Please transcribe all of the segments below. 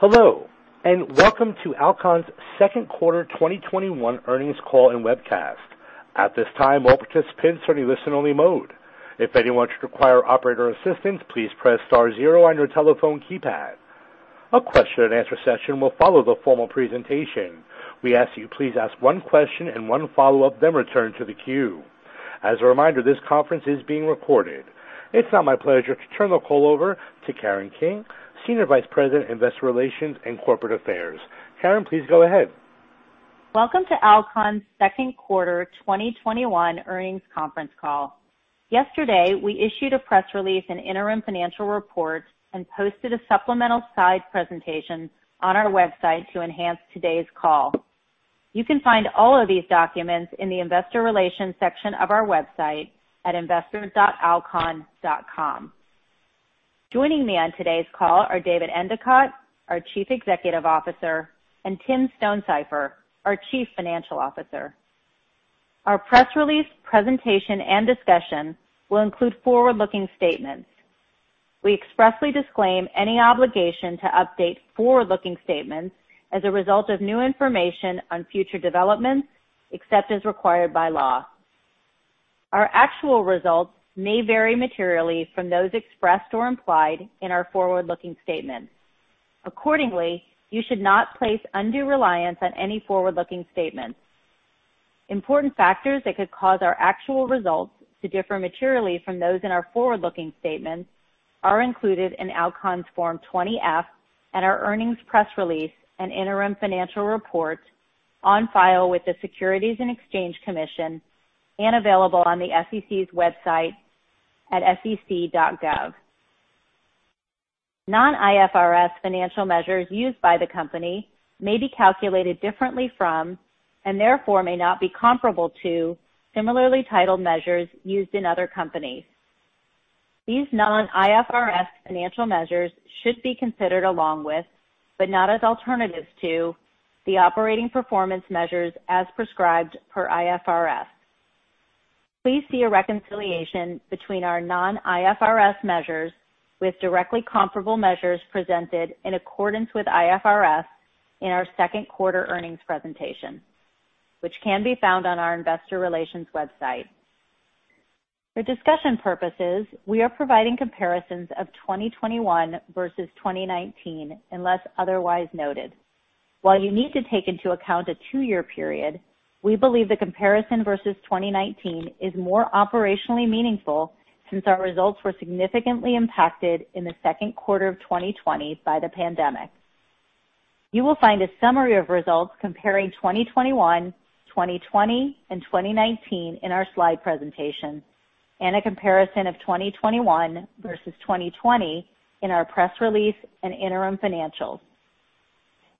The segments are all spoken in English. Hello, and welcome to Alcon's second quarter 2021 earnings call and webcast. At this time, all participants are in listen only mode. If anyone should require operator assistance, please press star zero on your telephone keypad. A question-and-answer session will follow the formal presentation. We ask you please ask one question and one follow-up, then return to the queue. As a reminder, this conference is being recorded. It's now my pleasure to turn the call over to Karen King, Senior Vice President, Investor Relations and Corporate Affairs. Karen, please go ahead. Welcome to Alcon's second quarter 2021 earnings conference call. Yesterday, we issued a press release and interim financial report and posted a supplemental slide presentation on our website to enhance today's call. You can find all of these documents in the investor relations section of our website at investor.alcon.com. Joining me on today's call are David Endicott, our Chief Executive Officer, and Tim Stonesifer, our Chief Financial Officer. Our press release presentation and discussion will include forward-looking statements. We expressly disclaim any obligation to update forward-looking statements as a result of new information on future developments, except as required by law. Our actual results may vary materially from those expressed or implied in our forward-looking statements. Accordingly, you should not place undue reliance on any forward-looking statements. Important factors that could cause our actual results to differ materially from those in our forward-looking statements are included in Alcon's Form 20-F and our earnings press release and interim financial report on file with the Securities and Exchange Commission and available on the SEC's website at sec.gov. Non-IFRS financial measures used by the company may be calculated differently from, and therefore may not be comparable to, similarly titled measures used in other companies. These non-IFRS financial measures should be considered along with, but not as alternatives to, the operating performance measures as prescribed per IFRS. Please see a reconciliation between our non-IFRS measures with directly comparable measures presented in accordance with IFRS in our second quarter earnings presentation, which can be found on our investor relations website. For discussion purposes, we are providing comparisons of 2021 versus 2019, unless otherwise noted. While you need to take into account a two-year period, we believe the comparison versus 2019 is more operationally meaningful since our results were significantly impacted in the second quarter of 2020 by the pandemic. You will find a summary of results comparing 2021, 2020, and 2019 in our slide presentation, and a comparison of 2021 versus 2020 in our press release and interim financials.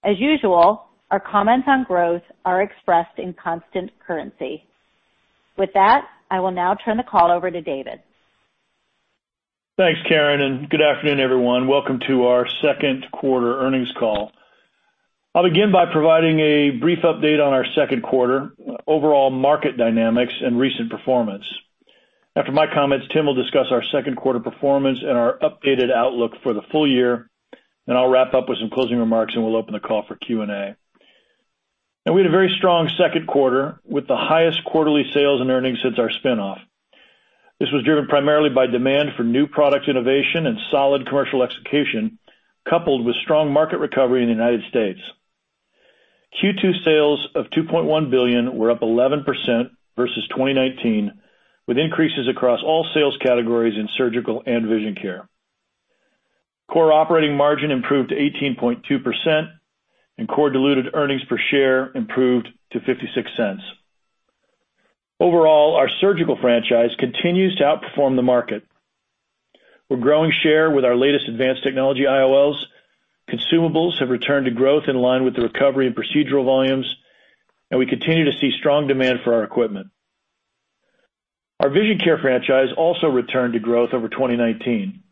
As usual, our comments on growth are expressed in constant currency. With that, I will now turn the call over to David. Thanks, Karen. Good afternoon, everyone. Welcome to our second quarter earnings call. I'll begin by providing a brief update on our second quarter overall market dynamics and recent performance. After my comments, Tim will discuss our second quarter performance and our updated outlook for the full year. I'll wrap up with some closing remarks, and we'll open the call for Q&A. We had a very strong second quarter with the highest quarterly sales and earnings since our spin-off. This was driven primarily by demand for new product innovation and solid commercial execution, coupled with strong market recovery in the United States. Q2 sales of $2.1 billion were up 11% versus 2019, with increases across all sales categories in Surgical and Vision Care. Core operating margin improved to 18.2%, and core diluted earnings per share improved to $0.56. Overall, our Surgical franchise continues to outperform the market. We're growing share with our latest advanced technology IOLs. Consumables have returned to growth in line with the recovery in procedural volumes, and we continue to see strong demand for our equipment. Our Vision Care franchise also returned to growth over 2019.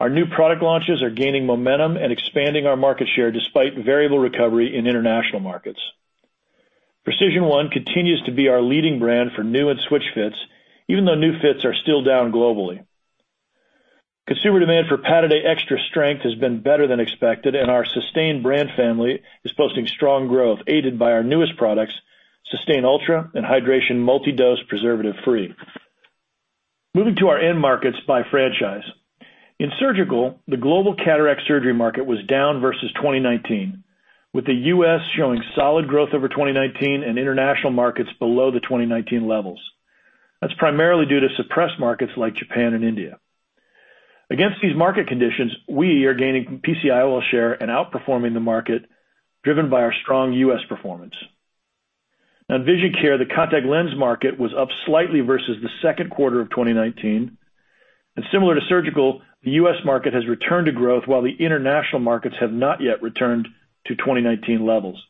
Our new product launches are gaining momentum and expanding our market share despite variable recovery in international markets. PRECISION1 continues to be our leading brand for new and switch fits, even though new fits are still down globally. Consumer demand for Pataday Extra Strength has been better than expected, and our SYSTANE brand family is posting strong growth, aided by our newest products, SYSTANE ULTRA and SYSTANE Hydration Multi-Dose Preservative-Free. Moving to our end markets by franchise. In Surgical, the global cataract surgery market was down versus 2019, with the U.S. showing solid growth over 2019 and international markets below the 2019 levels. That's primarily due to suppressed markets like Japan and India. Against these market conditions, we are gaining PC-IOL share and outperforming the market, driven by our strong U.S. performance. In Vision Care, the contact lens market was up slightly versus the second quarter of 2019. Similar to Surgical, the U.S. market has returned to growth while the international markets have not yet returned to 2019 levels.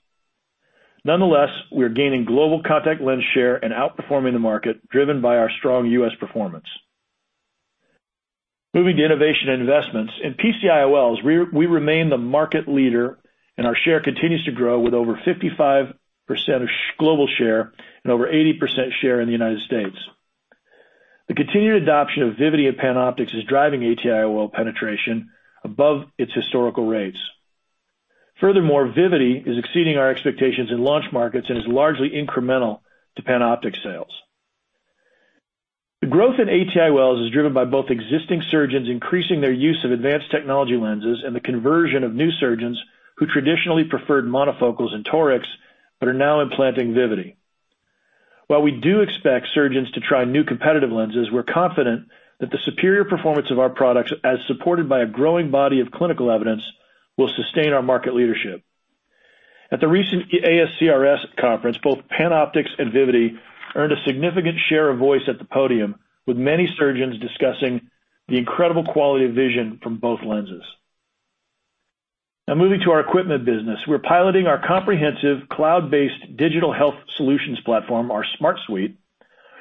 We are gaining global contact lens share and outperforming the market, driven by our strong U.S. performance. Moving to innovation and investments. In PC-IOLs, we remain the market leader, and our share continues to grow with over 55% of global share and over 80% share in the United States. The continued adoption of Vivity and PanOptix is driving ATIOL penetration above its historical rates. Vivity is exceeding our expectations in launch markets and is largely incremental to PanOptix sales. The growth in ATIOLs is driven by both existing surgeons increasing their use of advanced technology lenses and the conversion of new surgeons who traditionally preferred monofocals and torics, but are now implanting Vivity. While we do expect surgeons to try new competitive lenses, we're confident that the superior performance of our products, as supported by a growing body of clinical evidence, will sustain our market leadership. At the recent ASCRS conference, both PanOptix and Vivity earned a significant share of voice at the podium, with many surgeons discussing the incredible quality of vision from both lenses. Moving to our equipment business. We're piloting our comprehensive cloud-based digital health solutions platform, our SMART Suite,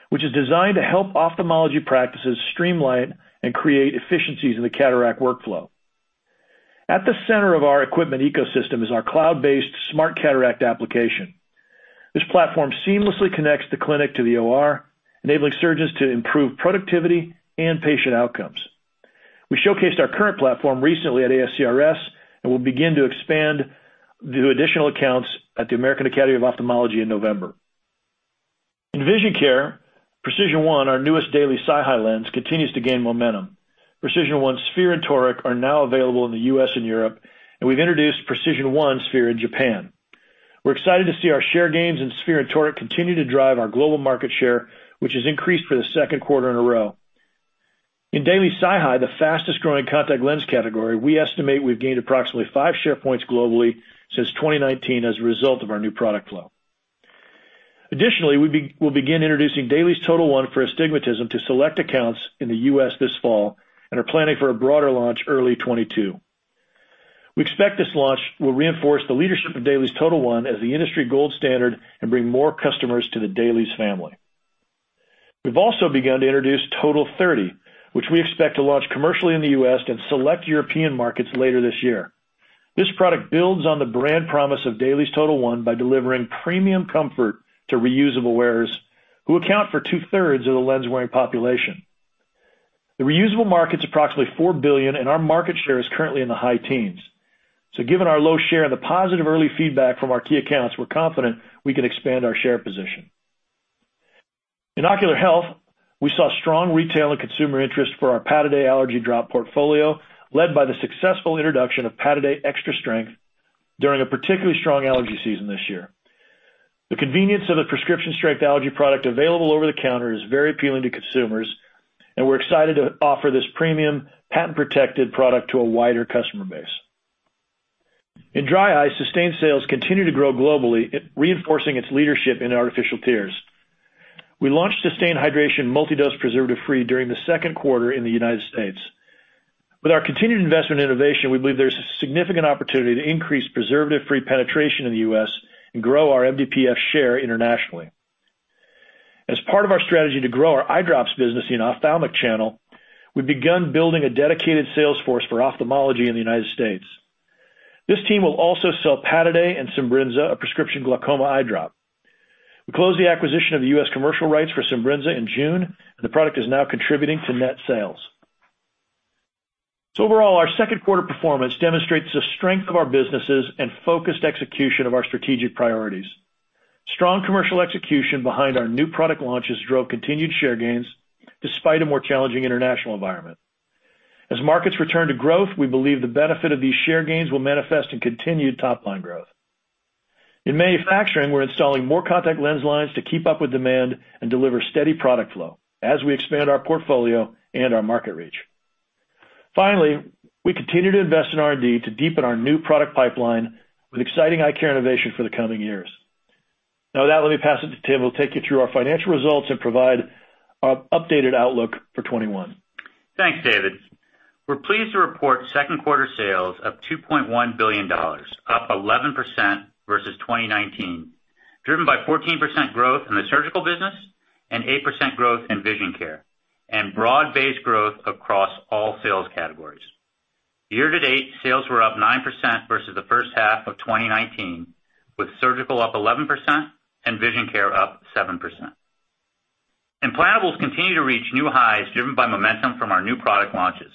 which is designed to help ophthalmology practices streamline and create efficiencies in the cataract workflow. At the center of our equipment ecosystem is our cloud-based SMARTCataract application. This platform seamlessly connects the clinic to the OR, enabling surgeons to improve productivity and patient outcomes. We showcased our current platform recently at ASCRS. We'll begin to expand to additional accounts at the American Academy of Ophthalmology in November. In Vision Care, PRECISION1, our newest daily SiHy lens, continues to gain momentum. PRECISION1 sphere and toric are now available in the U.S. and Europe. We've introduced PRECISION1 sphere in Japan. We're excited to see our share gains in sphere and toric continue to drive our global market share, which has increased for the second quarter in a row. In daily SiHy, the fastest growing contact lens category, we estimate we've gained approximately five share points globally since 2019 as a result of our new product flow. We will begin introducing DAILIES TOTAL1 for Astigmatism to select accounts in the U.S. this fall and are planning for a broader launch early 2022. We expect this launch will reinforce the leadership of DAILIES TOTAL1 as the industry gold standard and bring more customers to the DAILIES family. We have also begun to introduce TOTAL30, which we expect to launch commercially in the U.S. and select European markets later this year. This product builds on the brand promise of DAILIES TOTAL1 by delivering premium comfort to reusable wearers, who account for two-thirds of the lens-wearing population. The reusable market is approximately $4 billion, our market share is currently in the high teens. Given our low share and the positive early feedback from our key accounts, we are confident we can expand our share position. In Ocular Health, we saw strong retail and consumer interest for our Pataday allergy drop portfolio, led by the successful introduction of Pataday Extra Strength during a particularly strong allergy season this year. The convenience of the prescription strength allergy product available over the counter is very appealing to consumers, we're excited to offer this premium patent-protected product to a wider customer base. In dry eye, SYSTANE sales continue to grow globally, reinforcing its leadership in artificial tears. We launched SYSTANE Hydration Multi-Dose Preservative-Free during the second quarter in the U.S. With our continued investment in innovation, we believe there's a significant opportunity to increase preservative-free penetration in the U.S. and grow our MDPF share internationally. As part of our strategy to grow our eye drops business in the ophthalmic channel, we've begun building a dedicated sales force for ophthalmology in the U.S. This team will also sell Pataday and Simbrinza, a prescription glaucoma eye drop. We closed the acquisition of the U.S. commercial rights for Simbrinza in June, the product is now contributing to net sales. Overall, our second quarter performance demonstrates the strength of our businesses and focused execution of our strategic priorities. Strong commercial execution behind our new product launches drove continued share gains despite a more challenging international environment. Markets return to growth, we believe the benefit of these share gains will manifest in continued top-line growth. In manufacturing, we're installing more contact lens lines to keep up with demand and deliver steady product flow as we expand our portfolio and our market reach. Finally, we continue to invest in R&D to deepen our new product pipeline with exciting eye care innovation for the coming years. With that, let me pass it to Tim, who'll take you through our financial results and provide our updated outlook for 2021. Thanks, David. We're pleased to report second quarter sales of $2.1 billion, up 11% versus 2019, driven by 14% growth in the Surgical business and 8% growth in Vision Care, and broad-based growth across all sales categories. Year-to-date, sales were up 9% versus the first half of 2019, with Surgical up 11% and Vision Care up 7%. Implantables continue to reach new highs driven by momentum from our new product launches.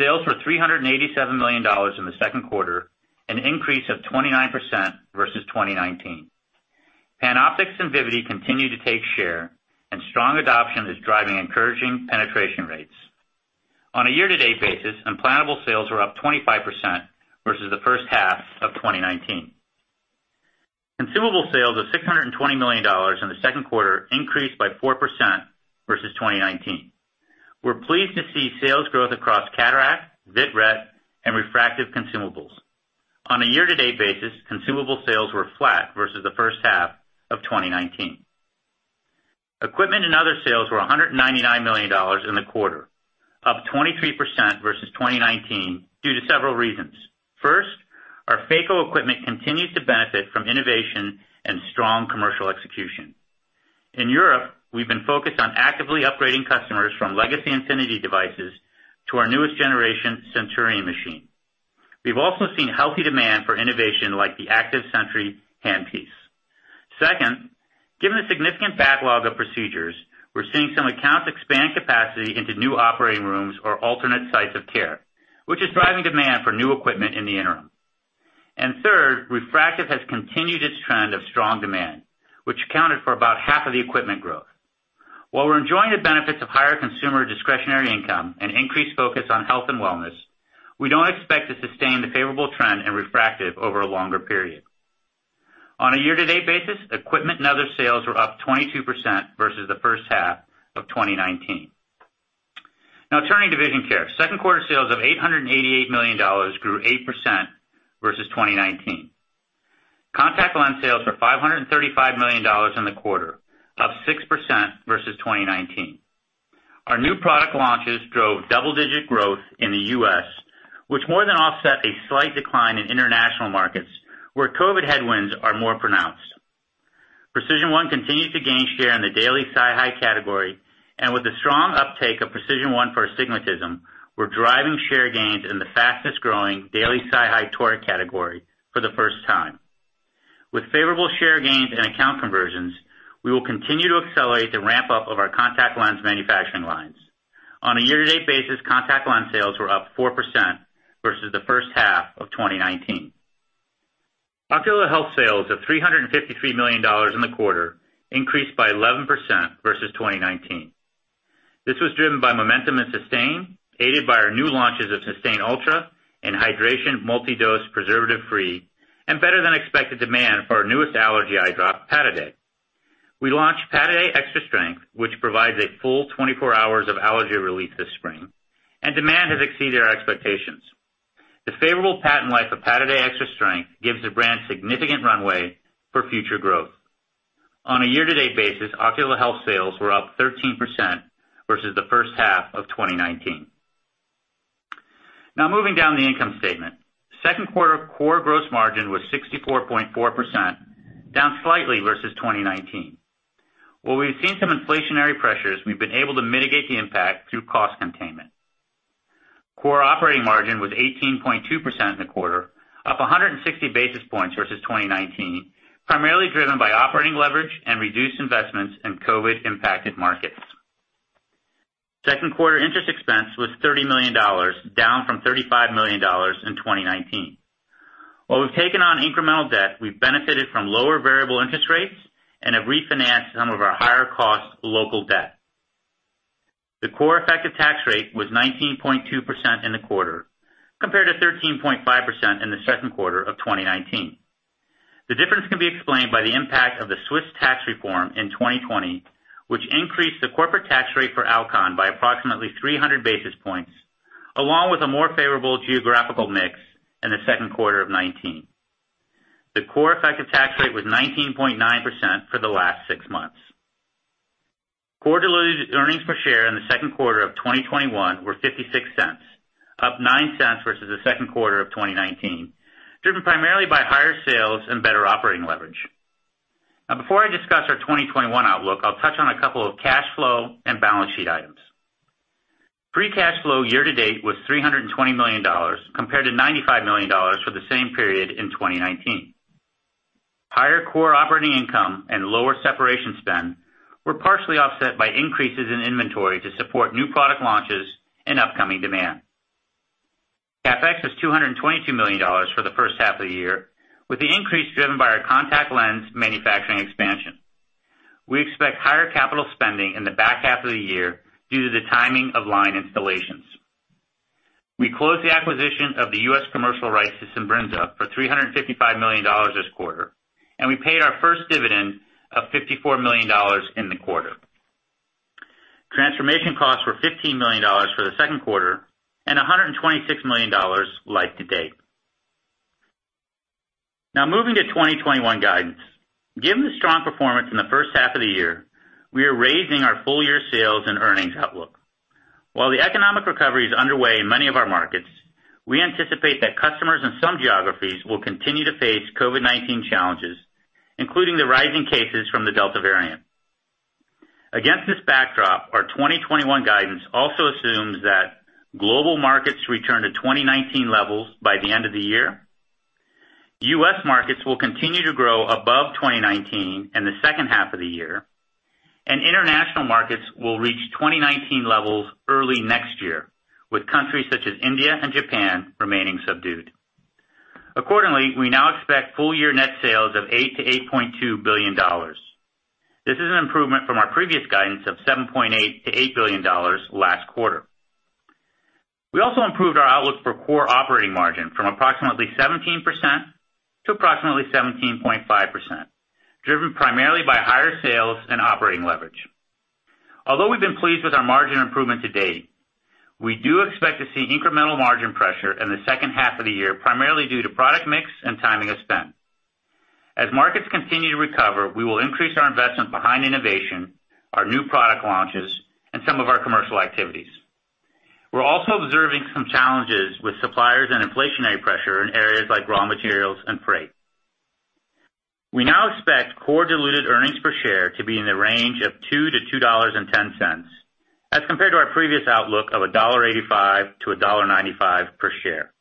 Sales were $387 million in the second quarter, an increase of 29% versus 2019. PanOptix and Vivity continue to take share and strong adoption is driving encouraging penetration rates. On a year-to-date basis, implantable sales were up 25% versus the first half of 2019. Consumable sales of $620 million in the second quarter increased by 4% versus 2019. We're pleased to see sales growth across cataract, vitreoretinal, and refractive consumables. On a year-to-date basis, consumable sales were flat versus the first half of 2019. Equipment and other sales were $199 million in the quarter, up 23% versus 2019 due to several reasons. Our phaco equipment continues to benefit from innovation and strong commercial execution. In Europe, we've been focused on actively upgrading customers from Legacy and Infiniti devices to our newest generation Centurion machine. We've also seen healthy demand for innovation like the ACTIVE SENTRY handpiece. Given the significant backlog of procedures, we're seeing some accounts expand capacity into new operating rooms or alternate sites of care, which is driving demand for new equipment in the interim. Third, refractive has continued its trend of strong demand, which accounted for about half of the equipment growth. While we're enjoying the benefits of higher consumer discretionary income and increased focus on health and wellness, we don't expect to sustain the favorable trend in refractive over a longer period. On a year-to-date basis, equipment and other sales were up 22% versus the first half of 2019. Now turning to Vision Care. Second quarter sales of $888 million grew 8% versus 2019. Contact lens sales were $535 million in the quarter, up 6% versus 2019. Our new product launches drove double-digit growth in the U.S., which more than offset a slight decline in international markets where COVID headwinds are more pronounced. PRECISION1 continues to gain share in the daily SiHy category, and with the strong uptake of PRECISION1 for Astigmatism, we're driving share gains in the fastest-growing daily SiHy toric category for the first time. With favorable share gains and account conversions, we will continue to accelerate the ramp-up of our contact lens manufacturing lines. On a year-to-date basis, contact lens sales were up 4% versus the first half of 2019. Ocular Health sales of $353 million in the quarter increased by 11% versus 2019. This was driven by momentum in SYSTANE, aided by our new launches of SYSTANE ULTRA and Hydration Multi-Dose Preservative-Free, and better than expected demand for our newest allergy eye drop, Pataday. We launched Pataday Extra Strength, which provides a full 24-hours of allergy relief this spring, and demand has exceeded our expectations. The favorable patent life of Pataday Extra Strength gives the brand significant runway for future growth. On a year-to-date basis, Ocular Health sales were up 13% versus the first half of 2019. Now moving down the income statement. Second quarter core gross margin was 64.4%, down slightly versus 2019. While we've seen some inflationary pressures, we've been able to mitigate the impact through cost containment. Core operating margin was 18.2% in the quarter, up 160 basis points versus 2019, primarily driven by operating leverage and reduced investments in COVID-impacted markets. Second quarter interest expense was $30 million, down from $35 million in 2019. While we've taken on incremental debt, we've benefited from lower variable interest rates and have refinanced some of our higher cost local debt. The core effective tax rate was 19.2% in the quarter, compared to 13.5% in the second quarter of 2019. The difference can be explained by the impact of the Swiss tax reform in 2020, which increased the corporate tax rate for Alcon by approximately 300 basis points, along with a more favorable geographical mix in the second quarter of 2019. The core effective tax rate was 19.9% for the last six months. Core diluted earnings per share in the second quarter of 2021 were $0.56, up $0.09 versus the second quarter of 2019, driven primarily by higher sales and better operating leverage. Before I discuss our 2021 outlook, I'll touch on a couple of cash flow and balance sheet items. Free cash flow year-to-date was $320 million, compared to $95 million for the same period in 2019. Higher core operating income and lower separation spend were partially offset by increases in inventory to support new product launches and upcoming demand. CapEx was $222 million for the first half of the year, with the increase driven by our contact lens manufacturing expansion. We expect higher capital spending in the back half of the year due to the timing of line installations. We closed the acquisition of the U.S. commercial rights to Simbrinza for $355 million this quarter, and we paid our first dividend of $54 million in the quarter. Transformation costs were $15 million for the second quarter and $126 million year-to-date. Now moving to 2021 guidance. Given the strong performance in the first half of the year, we are raising our full year sales and earnings outlook. While the economic recovery is underway in many of our markets, we anticipate that customers in some geographies will continue to face COVID-19 challenges, including the rising cases from the Delta variant. Against this backdrop, our 2021 guidance also assumes that global markets return to 2019 levels by the end of the year. U.S. markets will continue to grow above 2019 in the second half of the year, and international markets will reach 2019 levels early next year, with countries such as India and Japan remaining subdued. Accordingly, we now expect full year net sales of $8 billion-$8.2 billion. This is an improvement from our previous guidance of $7.8 billion-$8 billion last quarter. We also improved our outlook for core operating margin from approximately 17% to approximately 17.5%, driven primarily by higher sales and operating leverage. Although we've been pleased with our margin improvement to date, we do expect to see incremental margin pressure in the second half of the year, primarily due to product mix and timing of spend. As markets continue to recover, we will increase our investment behind innovation, our new product launches, and some of our commercial activities. We're also observing some challenges with suppliers and inflationary pressure in areas like raw materials and freight. We now expect core diluted earnings per share to be in the range of $2-$2.10, as compared to our previous outlook of $1.85-$1.95 per share.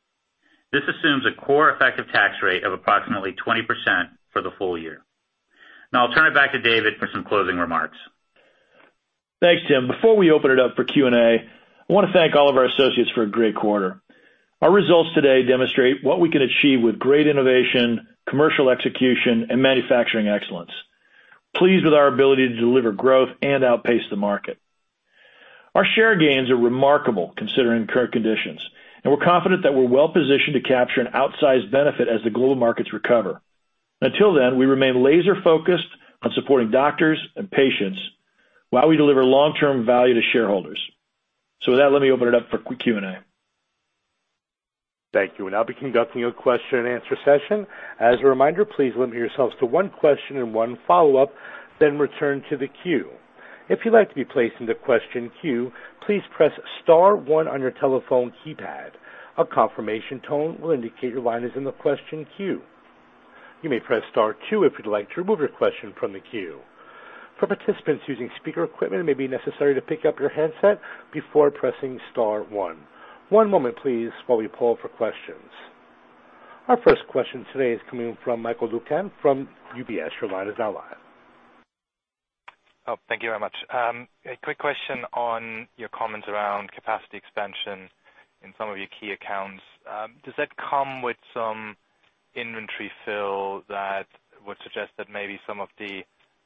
This assumes a core effective tax rate of approximately 20% for the full year. I'll turn it back to David for some closing remarks. Thanks, Tim. Before we open it up for Q&A, I want to thank all of our associates for a great quarter. Our results today demonstrate what we can achieve with great innovation, commercial execution, and manufacturing excellence. Pleased with our ability to deliver growth and outpace the market. Our share gains are remarkable considering current conditions, and we're confident that we're well-positioned to capture an outsized benefit as the global markets recover. Until then, we remain laser-focused on supporting doctors and patients while we deliver long-term value to shareholders. With that, let me open it up for Q&A. Thank you. I'll be conducting your question-and-answer session. As a reminder, please limit yourselves to one question and one follow-up, then return to the queue. If you'd like to be placed in the question queue, please press star one on your telephone keypad. A confirmation tone will indicate your line is in the question queue. You may press star two if you'd like to remove your question from the queue. For participants using speaker equipment, it may be necessary to pick up your handset before pressing star one. One moment, please, while we poll for questions. Our first question today is coming from Michael Leuchten from UBS. Your line is now live. Oh, thank you very much. A quick question on your comments around capacity expansion in some of your key accounts. Does that come with some inventory fill that would suggest that maybe some of the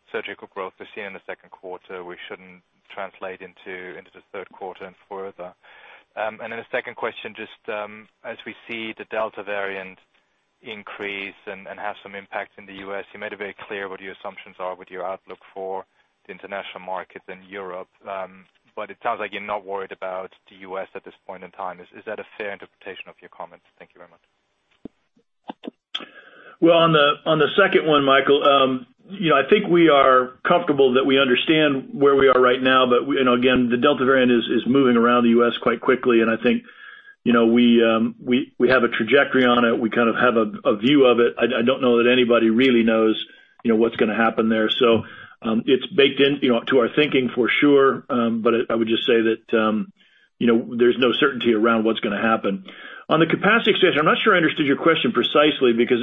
Surgical growth we're seeing in the second quarter, we shouldn't translate into the third quarter and further? A second question, just as we see the Delta variant increase and have some impact in the U.S., you made it very clear what your assumptions are with your outlook for the international markets in Europe. It sounds like you're not worried about the U.S. at this point in time. Is that a fair interpretation of your comments? Thank you very much. Well, on the second one, Michael, I think we are comfortable that we understand where we are right now. Again, the Delta variant is moving around the U.S. quite quickly, and I think we have a trajectory on it. We kind of have a view of it. I don't know that anybody really knows what's going to happen there. It's baked in to our thinking for sure. I would just say that there's no certainty around what's going to happen. On the capacity expansion, I'm not sure I understood your question precisely, because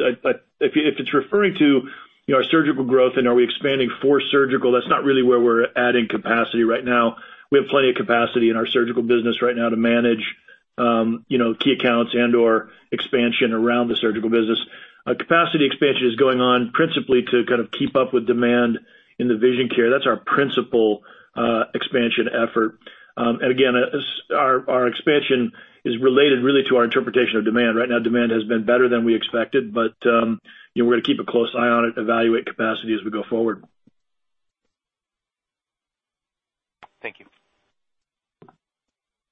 if it's referring to our Surgical growth and are we expanding for Surgical, that's not really where we're adding capacity right now. We have plenty of capacity in our Surgical business right now to manage key accounts and/or expansion around the Surgical business. Capacity expansion is going on principally to kind of keep up with demand in the Vision Care. That's our principal expansion effort. Again, our expansion is related really to our interpretation of demand. Right now, demand has been better than we expected, but we're going to keep a close eye on it, evaluate capacity as we go forward. Thank you.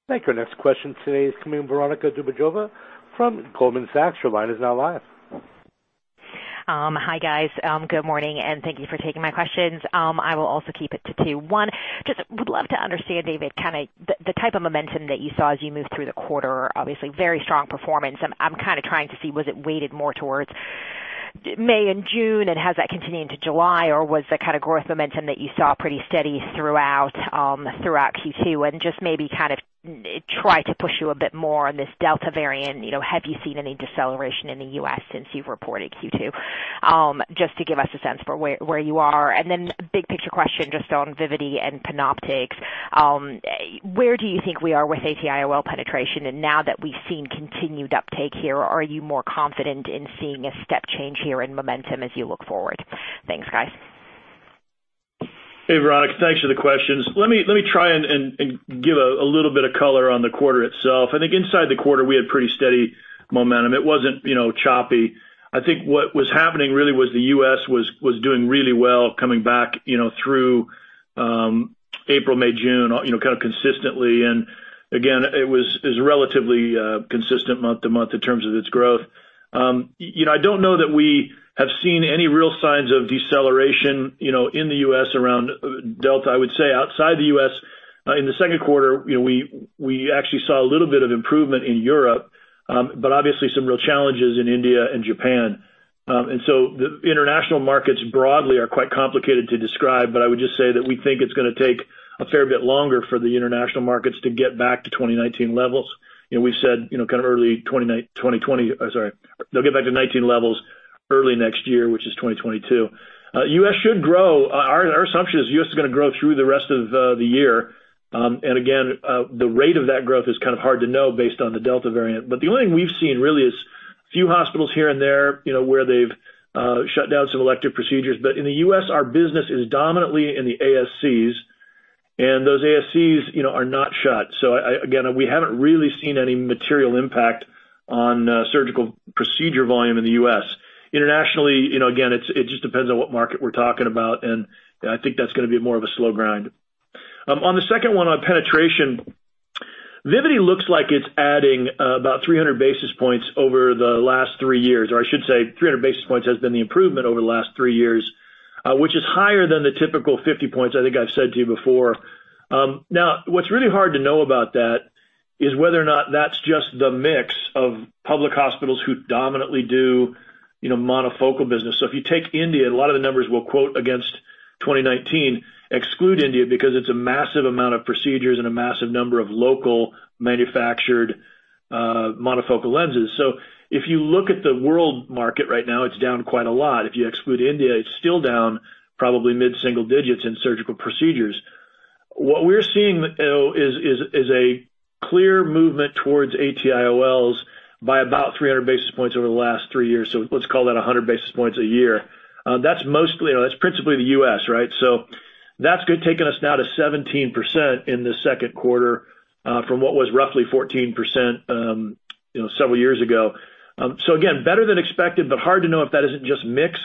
Thank you. Our next question today is coming Veronika Dubajova from Goldman Sachs. Your line is now live. Hi, guys. Good morning, and thank you for taking my questions. I will also keep it to two. One, just would love to understand, David, kind of the type of momentum that you saw as you moved through the quarter. Obviously very strong performance. I'm kind of trying to see, was it weighted more towards May and June, and has that continued into July? Was the kind of growth momentum that you saw pretty steady throughout Q2? Just maybe kind of try to push you a bit more on this Delta variant, have you seen any deceleration in the U.S. since you've reported Q2? Just to give us a sense for where you are. Then big picture question, just on Vivity and PanOptix. Where do you think we are with ATIOL penetration? Now that we've seen continued uptake here, are you more confident in seeing a step change here in momentum as you look forward? Thanks, guys. Hey, Veronika. Thanks for the questions. Let me try and give a little bit of color on the quarter itself. I think inside the quarter, we had pretty steady momentum. It wasn't choppy. I think what was happening really was the U.S. was doing really well coming back through April, May, June, kind of consistently. Again, it was relatively consistent month to month in terms of its growth. I don't know that we have seen any real signs of deceleration in the U.S. around Delta. I would say outside the U.S. in the second quarter, we actually saw a little bit of improvement in Europe, obviously some real challenges in India and Japan. The international markets broadly are quite complicated to describe, but I would just say that we think it's going to take a fair bit longer for the international markets to get back to 2019 levels. We've said kind of early 2020-- oh, sorry, they'll get back to 2019 levels early next year, which is 2022. U.S. should grow. Our assumption is U.S. is going to grow through the rest of the year. Again, the rate of that growth is kind of hard to know based on the Delta variant. The only thing we've seen really is a few hospitals here and there where they've shut down some elective procedures. In the U.S., our business is dominantly in the ASCs, and those ASCs are not shut. Again, we haven't really seen any material impact on surgical procedure volume in the U.S. Internationally, again, it just depends on what market we're talking about, and I think that's going to be more of a slow grind. On the second one on penetration, Vivity looks like it's adding about 300 basis points over the last three years, or I should say 300 basis points has been the improvement over the last three years. Which is higher than the typical 50 points, I think I've said to you before. Now, what's really hard to know about that is whether or not that's just the mix of public hospitals who dominantly do Monofocal business. If you take India, and a lot of the numbers we'll quote against 2019 exclude India because it's a massive amount of procedures and a massive number of local manufactured monofocal lenses. If you look at the world market right now, it's down quite a lot. If you exclude India, it's still down probably mid-single digits in surgical procedures. What we're seeing though is a clear movement towards ATIOLs by about 300 basis points over the last three years. Let's call that 100 basis points a year. That's principally the U.S., right? That's taken us now to 17% in the second quarter, from what was roughly 14% several years ago. Again, better than expected, but hard to know if that isn't just mix.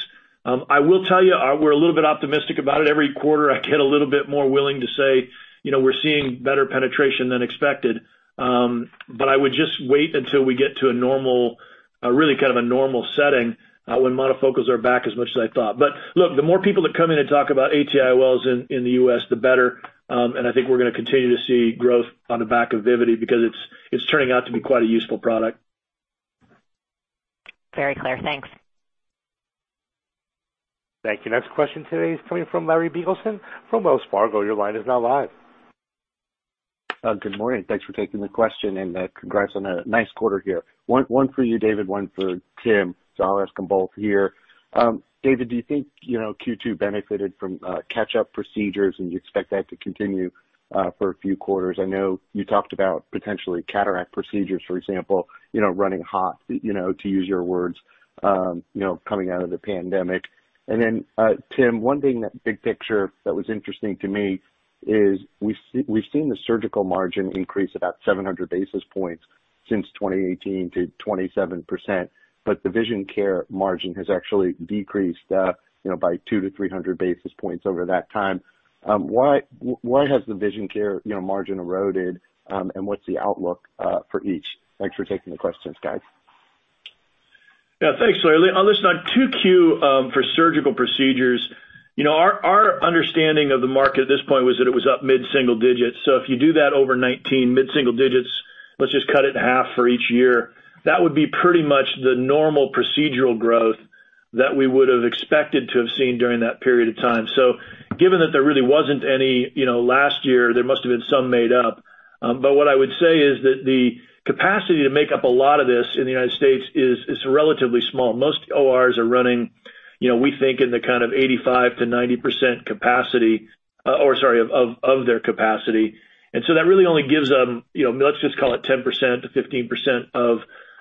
I will tell you, we're a little bit optimistic about it. Every quarter I get a little bit more willing to say we're seeing better penetration than expected. I would just wait until we get to a really kind of a normal setting, when monofocals are back as much as I thought. Look, the more people that come in and talk about ATIOLs in the U.S., the better. I think we're going to continue to see growth on the back of Vivity because it's turning out to be quite a useful product. Very clear. Thanks. Thank you. Next question today is coming from Larry Biegelsen from Wells Fargo. Your line is now live. Good morning. Thanks for taking the question. Congrats on a nice quarter here. One for you, David, one for Tim. I'll ask them both here. David, do you think Q2 benefited from catch-up procedures and you expect that to continue for a few quarters? I know you talked about potentially cataract procedures, for example, running hot, to use your words, coming out of the pandemic. Tim, one thing that big picture that was interesting to me is we've seen the Surgical margin increase about 700 basis points since 2018 to 27%, but the Vision Care margin has actually decreased by 200 to 300 basis points over that time. Why has the Vision Care margin eroded? What's the outlook for each? Thanks for taking the questions, guys. Thanks, Larry. Listen, on 2Q, for surgical procedures, our understanding of the market at this point was that it was up mid-single digits. If you do that over 19 mid-single digits, let's just cut it in half for each year. That would be pretty much the normal procedural growth that we would have expected to have seen during that period of time. Given that there really wasn't any last year, there must have been some made up. What I would say is that the capacity to make up a lot of this in the U.S. is relatively small. Most ORs are running, we think of their capacity. That really only gives them, let's just call it 10%-15% of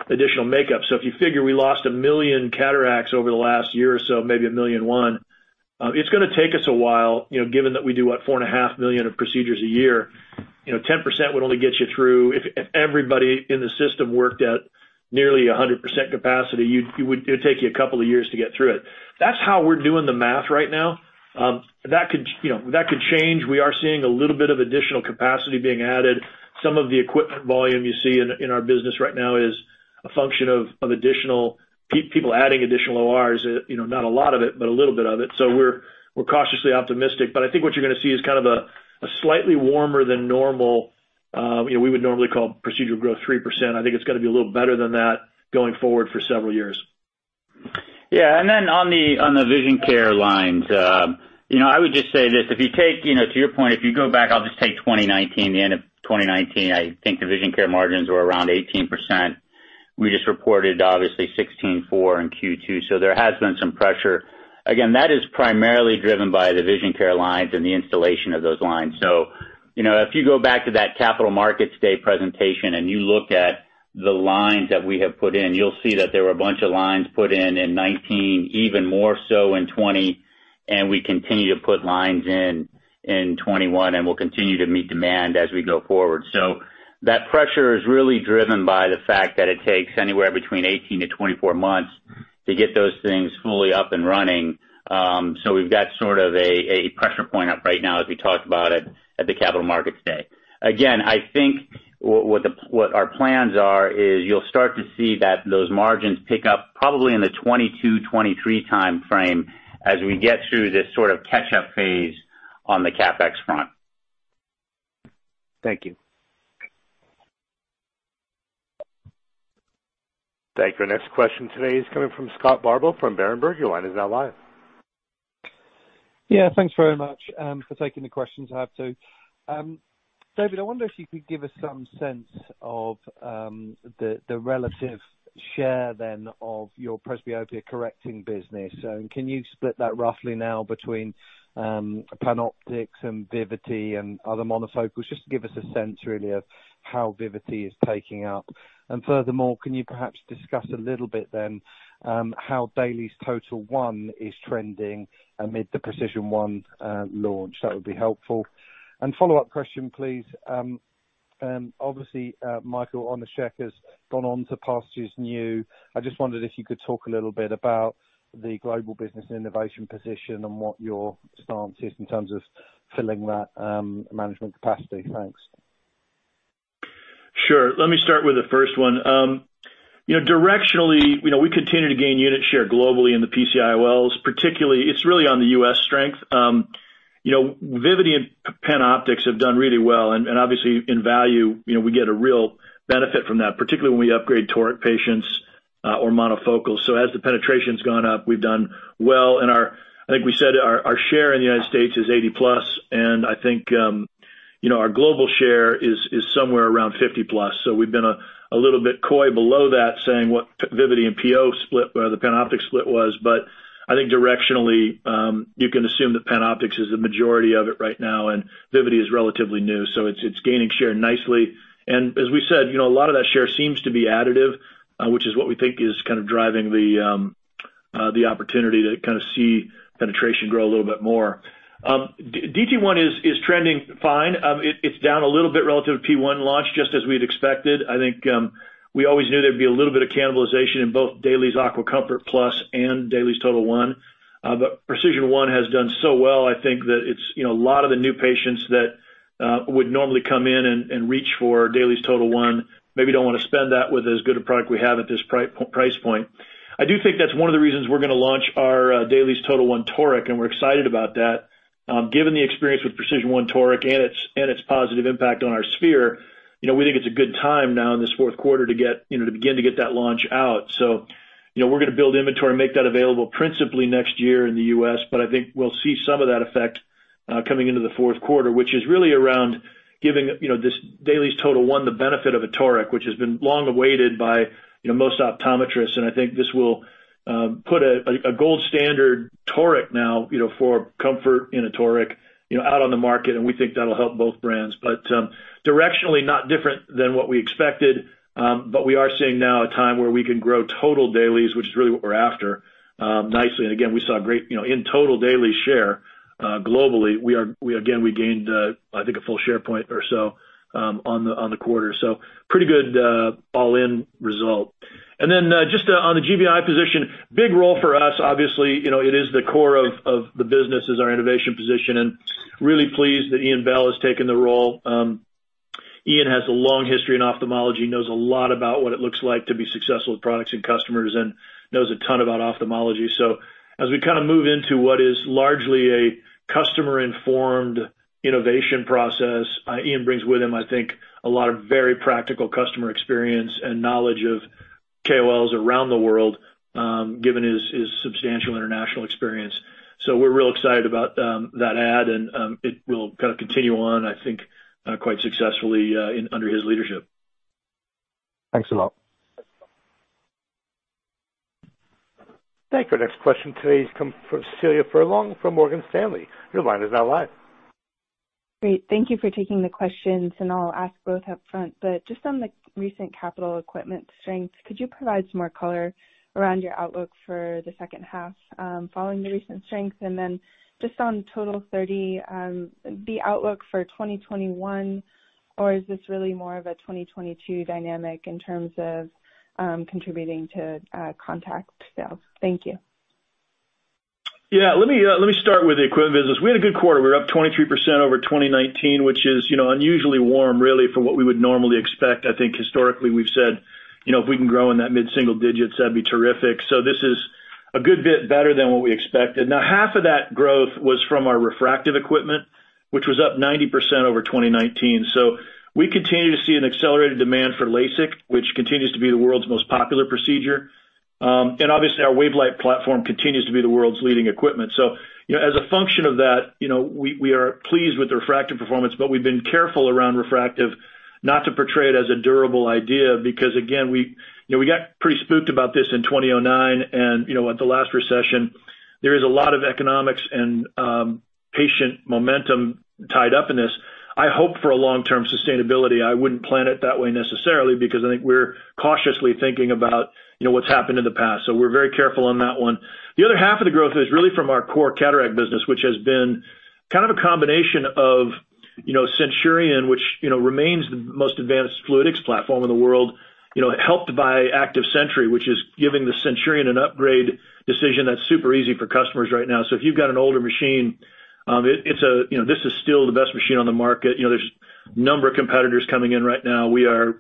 additional makeup. If you figure we lost 1 million cataracts over the last year or so, maybe 1.1 million, it's going to take us a while, given that we do what, 4.5 million of procedures a year. 10% would only get you through if everybody in the system worked at nearly 100% capacity, it would take you a couple of years to get through it. That's how we're doing the math right now. That could change. We are seeing a little bit of additional capacity being added. Some of the equipment volume you see in our business right now is a function of people adding additional ORs. Not a lot of it, but a little bit of it. We're cautiously optimistic, but I think what you're going to see is kind of a slightly warmer than normal. We would normally call procedure growth 3%. I think it's going to be a little better than that going forward for several years. Yeah. On the Vision Care lines, I would just say this, to your point, if you go back, I'll just take 2019. The end of 2019, I think the Vision Care margins were around 18%. We just reported obviously 16.4% in Q2, there has been some pressure. Again, that is primarily driven by the Vision Care lines and the installation of those lines. If you go back to that Capital Markets Day presentation and you look at the lines that we have put in, you'll see that there were a bunch of lines put in in 2019, even more so in 2020, and we continue to put lines in in 2021, and we'll continue to meet demand as we go forward. That pressure is really driven by the fact that it takes anywhere between 18-24 months to get those things fully up and running. We've got sort of a pressure point up right now as we talked about it at the Capital Markets Day. I think what our plans are is you'll start to see that those margins pick up probably in the 2022, 2023 timeframe as we get through this sort of catch-up phase on the CapEx front. Thank you. Thank you. Our next question today is coming from Scott Bardo from Berenberg. Your line is now live. Yeah, thanks very much for taking the questions. I have two. David, I wonder if you could give us some sense of the relative share then of your presbyopia-correcting business, can you split that roughly now between PanOptix and Vivity and other monofocals, just to give us a sense really of how Vivity is taking up. Furthermore, can you perhaps discuss a little bit then how DAILIES TOTAL1 is trending amid the PRECISION1 launch? That would be helpful. Follow-up question, please. Obviously, Michael Onuscheck has gone on to pastures new. I just wondered if you could talk a little bit about the Global Business Innovation position and what your stance is in terms of filling that management capacity. Thanks. Sure. Let me start with the first one. Directionally, we continue to gain unit share globally in the PC-IOLs, particularly on the U.S. strength. Vivity and PanOptix have done really well, and obviously in value, we get a real benefit from that, particularly when we upgrade toric patients or monofocals. As the penetration's gone up, we've done well. I think we said our share in the United States is 80+, and I think our global share is somewhere around 50+. We've been a little bit coy below that, saying what Vivity and PO split, the PanOptix split was. I think directionally, you can assume that PanOptix is the majority of it right now, and Vivity is relatively new, so it's gaining share nicely. As we said, a lot of that share seems to be additive, which is what we think is kind of driving the opportunity to kind of see penetration grow a little bit more. DT1 is trending fine. It's down a little bit relative to P1 launch, just as we'd expected. I think we always knew there'd be a little bit of cannibalization in both DAILIES AquaComfort Plus and DAILIES TOTAL1. PRECISION1 has done so well, I think that it's a lot of the new patients that would normally come in and reach for DAILIES TOTAL1 maybe don't want to spend that with as good a product we have at this price point. I do think that's one of the reasons we're going to launch our DAILIES TOTAL1 toric, and we're excited about that. Given the experience with PRECISION1 toric and its positive impact on our sphere, we think it's a good time now in this fourth quarter to begin to get that launch out. We're going to build inventory and make that available principally next year in the U.S., but I think we'll see some of that effect coming into the fourth quarter, which is really around giving this DAILIES TOTAL1 the benefit of a toric, which has been long awaited by most optometrists, and I think this will put a gold standard toric now for comfort in a toric out on the market, and we think that'll help both brands. Directionally, not different than what we expected, we are seeing now a time where we can grow total dailies, which is really what we're after nicely. Again, we saw great in total daily share globally. We gained, I think, a full share point or so on the quarter. Pretty good all-in result. Just on the GBI position, big role for us. Obviously, it is the core of the business, is our innovation position. Really pleased that Ian Bell has taken the role. Ian has a long history in ophthalmology, knows a lot about what it looks like to be successful with products and customers, and knows a ton about ophthalmology. As we kind of move into what is largely a customer-informed innovation process, Ian brings with him, I think, a lot of very practical customer experience and knowledge of KOLs around the world, given his substantial international experience. We're real excited about that add, and it will kind of continue on, I think, quite successfully under his leadership. Thanks a lot. Thank you. Our next question today comes from Cecilia Furlong from Morgan Stanley. Your line is now live. Great. Thank you for taking the questions, and I'll ask both up front. Just on the recent capital equipment strength, could you provide some more color around your outlook for the second half following the recent strength? Then just on TOTAL30, the outlook for 2021, or is this really more of a 2022 dynamic in terms of contributing to contact sales? Thank you. Yeah. Let me start with the equipment business. We had a good quarter. We're up 23% over 2019, which is unusually warm, really, for what we would normally expect. I think historically we've said, if we can grow in that mid-single digits, that'd be terrific. This is a good bit better than what we expected. Now half of that growth was from our refractive equipment, which was up 90% over 2019. We continue to see an accelerated demand for LASIK, which continues to be the world's most popular procedure. Obviously, our WaveLight platform continues to be the world's leading equipment. As a function of that, we are pleased with the refractive performance, but we've been careful around refractive not to portray it as a durable idea because, again, we got pretty spooked about this in 2009 and at the last recession. There is a lot of economics and patient momentum tied up in this. I hope for a long-term sustainability. I wouldn't plan it that way necessarily because I think we're cautiously thinking about what's happened in the past. We're very careful on that one. The other half of the growth is really from our core Cataract business, which has been kind of a combination of Centurion, which remains the most advanced fluidics platform in the world, helped by ACTIVE SENTRY, which is giving the Centurion an upgrade decision that's super easy for customers right now. If you've got an older machine, this is still the best machine on the market. There's a number of competitors coming in right now. We are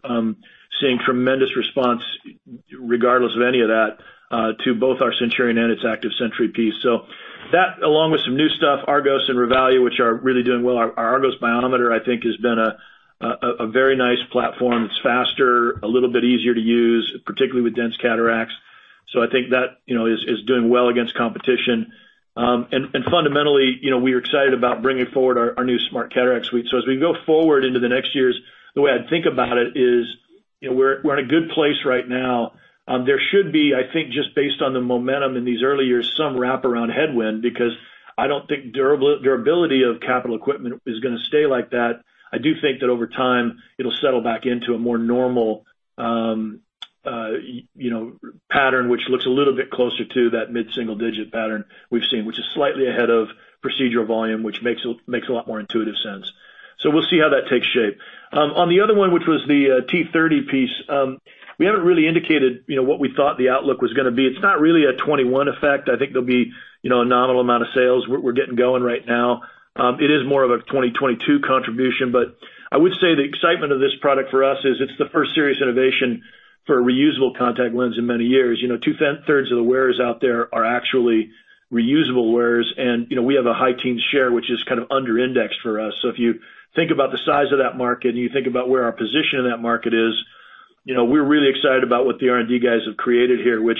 seeing tremendous response regardless of any of that to both our Centurion and its ACTIVE SENTRY piece. That, along with some new stuff, ARGOS and [Revalia], which are really doing well. Our ARGOS biometer, I think, has been a very nice platform. It's faster, a little bit easier to use, particularly with dense cataracts. I think that is doing well against competition. Fundamentally, we are excited about bringing forward our new SMARTCataract Suite. As we go forward into the next years, the way I'd think about it is we're in a good place right now. There should be, I think, just based on the momentum in these early years, some wraparound headwind, because I don't think durability of capital equipment is going to stay like that. I do think that over time, it'll settle back into a more normal pattern, which looks a little bit closer to that mid-single-digit pattern we've seen, which is slightly ahead of procedural volume, which makes a lot more intuitive sense. We'll see how that takes shape. On the other one, which was the T30 piece, we haven't really indicated what we thought the outlook was going to be. It's not really a 2021 effect. I think there'll be a nominal amount of sales. We're getting going right now. It is more of a 2022 contribution, but I would say the excitement of this product for us is it's the first serious innovation for a reusable contact lens in many years. Two-thirds of the wearers out there are actually reusable wearers, and we have a high-teen share, which is kind of under-indexed for us. If you think about the size of that market, and you think about where our position in that market is, we're really excited about what the R&D guys have created here, which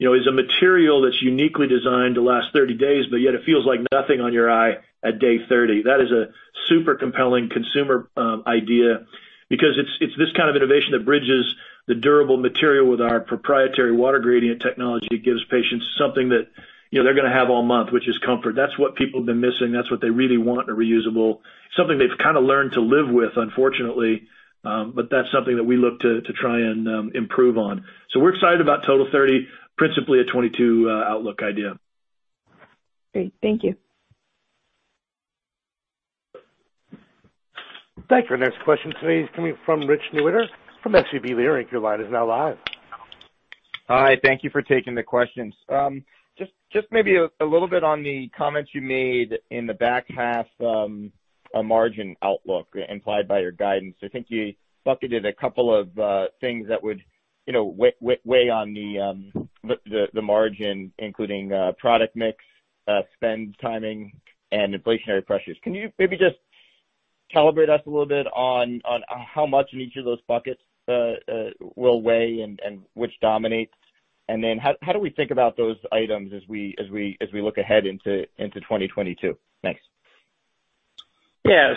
is a material that's uniquely designed to last 30 days, but yet it feels like nothing on your eye at day 30. That is a super compelling consumer idea because it's this kind of innovation that bridges the durable material with our proprietary water gradient technology that gives patients something that they're going to have all month, which is comfort. That's what people have been missing. That's what they really want in a reusable. Something they've kind of learned to live with, unfortunately. That's something that we look to try and improve on. We're excited about TOTAL30, principally a 2022 outlook idea. Great. Thank you. Thank you. Our next question today is coming from Rich Newitter from SVB Leerink. Your line is now live. Hi. Thank you for taking the questions. Just maybe a little bit on the comments you made in the back half margin outlook implied by your guidance. I think you bucketed a couple of things that would weigh on the margin, including product mix, spend timing, and inflationary pressures. Can you maybe just calibrate us a little bit on how much in each of those buckets will weigh in and which dominates? How do we think about those items as we look ahead into 2022? Thanks. Yeah.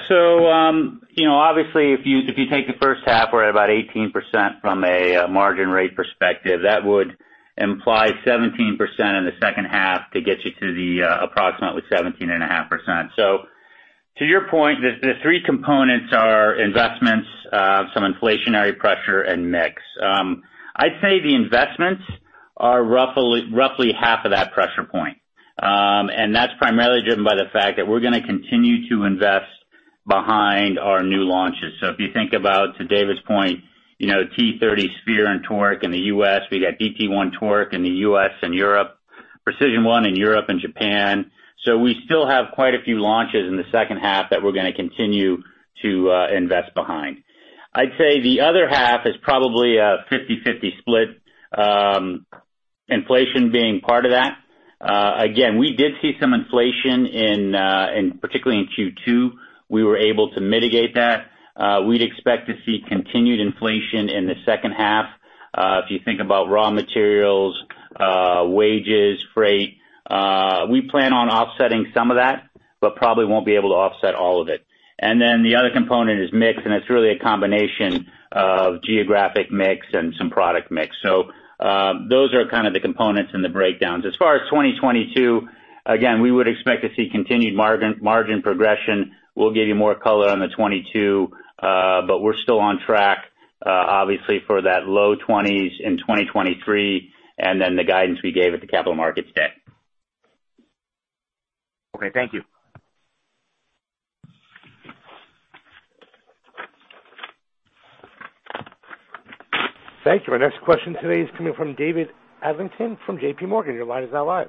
Obviously, if you take the first half, we're at about 18% from a margin rate perspective. That would imply 17% in the second half to get you to the approximately 17.5%. To your point, the three components are investments, some inflationary pressure, and mix. I'd say the investments are roughly half of that pressure point. That's primarily driven by the fact that we're going to continue to invest behind our new launches. If you think about, to David's point, TOTAL30 sphere and toric in the U.S., we got DT1 toric in the U.S. and Europe, PRECISION1 in Europe and Japan. We still have quite a few launches in the second half that we're going to continue to invest behind. I'd say the other half is probably a 50/50 split, inflation being part of that. Again, we did see some inflation particularly in Q2. We were able to mitigate that. We'd expect to see continued inflation in the second half. If you think about raw materials, wages, freight, we plan on offsetting some of that, but probably won't be able to offset all of it. The other component is mix, and it's really a combination of geographic mix and some product mix. Those are kind of the components and the breakdowns. As far as 2022, again, we would expect to see continued margin progression. We'll give you more color on the 2022, but we're still on track, obviously for that low 20s in 2023, and then the guidance we gave at the Capital Markets Day. Okay. Thank you. Thank you. Our next question today is coming from David Adlington from JPMorgan. Your line is now live.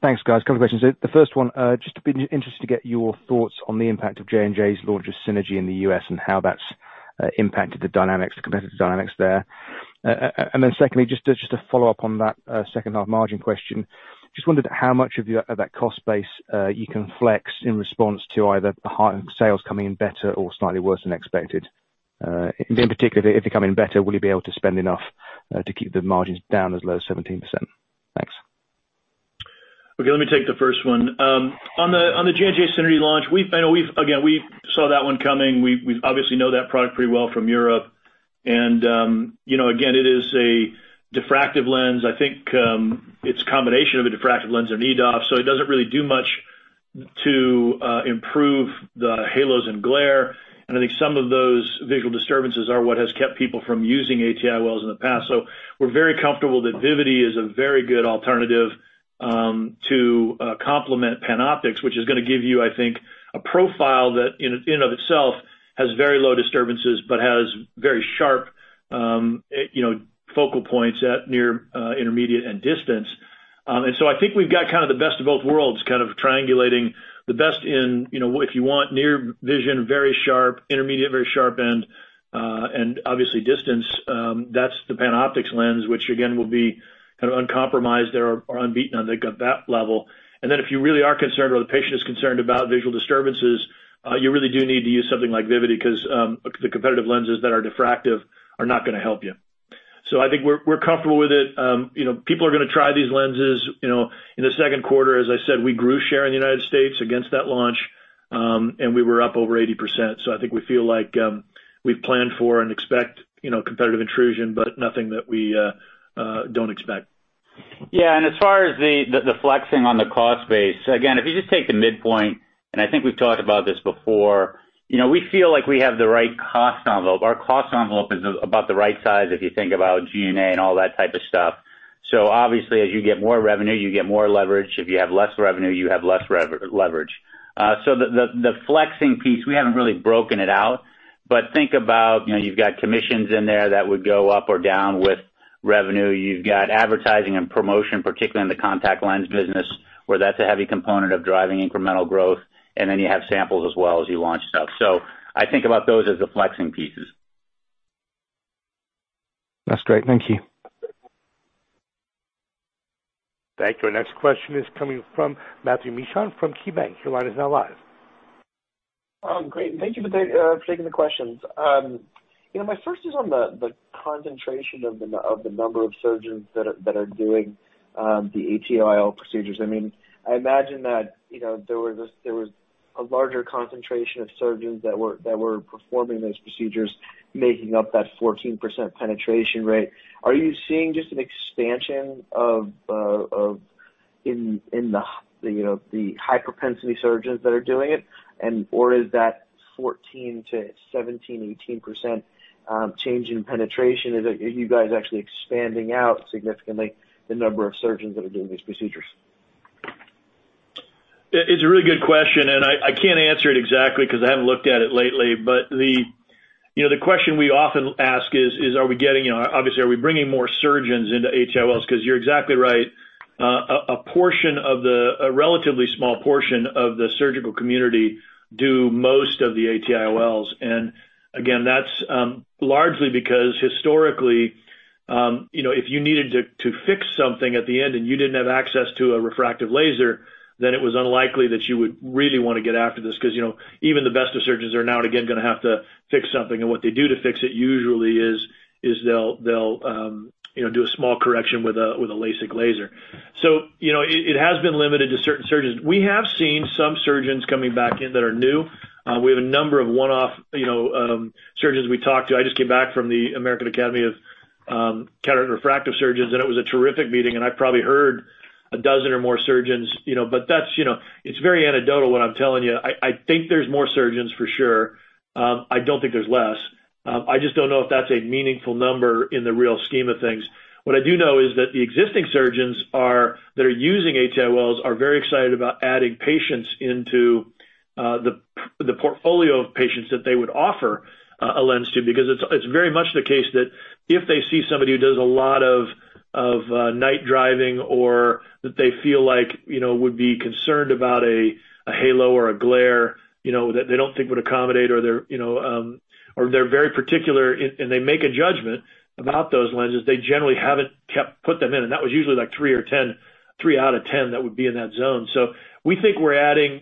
Thanks, guys. A couple of questions. The first one, just been interested to get your thoughts on the impact of J&J's launch of Synergy in the U.S. and how that's impacted the competitive dynamics there. Secondly, just to follow up on that second half margin question, just wondered how much of that cost base you can flex in response to either the high sales coming in better or slightly worse than expected. In particular, if they're coming in better, will you be able to spend enough to keep the margins down as low as 17%? Thanks. Okay, let me take the first one. On the J&J Synergy launch, again, we saw that one coming. We obviously know that product pretty well from Europe, and again, it is a diffractive lens. I think it's a combination of a diffractive lens and EDOF, so it doesn't really do much to improve the halos and glare. I think some of those visual disturbances are what has kept people from using ATIOLs in the past. We're very comfortable that Vivity is a very good alternative to complement PanOptix, which is going to give you, I think, a profile that in and of itself has very low disturbances but has very sharp focal points at near, intermediate, and distance. I think we've got kind of the best of both worlds, kind of triangulating the best in if you want near vision, very sharp, intermediate, very sharp end, and obviously distance, that's the PanOptix lens, which again, will be kind of uncompromised or unbeaten on that level. If you really are concerned or the patient is concerned about visual disturbances, you really do need to use something like Vivity because the competitive lenses that are diffractive are not going to help you. I think we're comfortable with it. People are going to try these lenses. In the second quarter, as I said, we grew share in the United States against that launch, and we were up over 80%. I think we feel like we've planned for and expect competitive intrusion, but nothing that we don't expect. As far as the flexing on the cost base, again, if you just take the midpoint, and I think we've talked about this before, we feel like we have the right cost envelope. Our cost envelope is about the right size if you think about G&A and all that type of stuff. Obviously, as you get more revenue, you get more leverage. If you have less revenue, you have less leverage. The flexing piece, we haven't really broken it out, but think about, you've got commissions in there that would go up or down with revenue. You've got advertising and promotion, particularly in the contact lens business, where that's a heavy component of driving incremental growth, and then you have samples as well as you launch stuff. I think about those as the flexing pieces. That's great. Thank you. Thank you. Our next question is coming from Matthew Mishan from KeyBanc. Your line is now live. Great. Thank you for taking the questions. My first is on the concentration of the number of surgeons that are doing the ATIOL procedures. I imagine that there was a larger concentration of surgeons that were performing those procedures, making up that 14% penetration rate. Are you seeing just an expansion in the high propensity surgeons that are doing it? Is that 14% to 17%, 18% change in penetration, are you guys actually expanding out significantly the number of surgeons that are doing these procedures? It's a really good question, and I can't answer it exactly because I haven't looked at it lately. The question we often ask is, obviously, are we bringing more surgeons into ATIOLs? Because you're exactly right. A relatively small portion of the surgical community do most of the ATIOLs. Again, that's largely because historically, if you needed to fix something at the end and you didn't have access to a refractive laser, then it was unlikely that you would really want to get after this because even the best of surgeons are now and again going to have to fix something, and what they do to fix it usually is they'll do a small correction with a LASIK laser. It has been limited to certain surgeons. We have seen some surgeons coming back in that are new. We have a number of one-off surgeons we talked to. I just came back from the American Academy of Cataract Refractive Surgeons. It was a terrific meeting, I probably heard a dozen or more surgeons. It's very anecdotal, what I'm telling you. I think there's more surgeons, for sure. I don't think there's less. I just don't know if that's a meaningful number in the real scheme of things. What I do know is that the existing surgeons that are using ATIOLs are very excited about adding patients into the portfolio of patients that they would offer a lens to, because it's very much the case that if they see somebody who does a lot of night driving or that they feel would be concerned about a halo or a glare that they don't think would accommodate or they're very particular and they make a judgment about those lenses, they generally haven't put them in, and that was usually like three out of 10 that would be in that zone. We think we're adding